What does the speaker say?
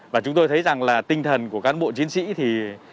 và chúng tôi thấy rằng là tinh thần của cán bộ chiến sĩ thì